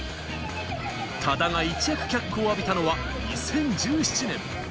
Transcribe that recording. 多田が一躍脚光を浴びたのは２０１７年。